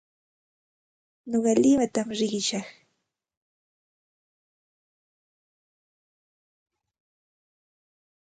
Nuqa limatam riqishaq.